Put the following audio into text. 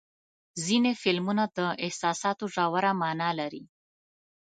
ځینې فلمونه د احساساتو ژوره معنا لري.